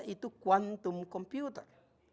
yaitu quantum computer